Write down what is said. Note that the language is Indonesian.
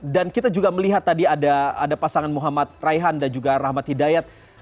dan kita juga melihat tadi ada pasangan muhammad raihan dan juga rahmat hidayat